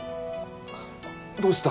どうした？